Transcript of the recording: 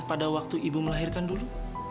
pada waktu ibu melahirkan dulu